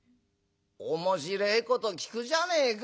「面白えこと聞くじゃねえか。